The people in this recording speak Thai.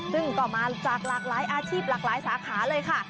ซึ่งก็มาจากหลากหลายอาชีพหลากหลายสาขาเลยค่ะ